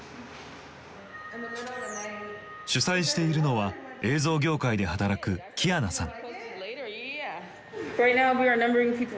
主催しているのは映像業界で働くキアナさん。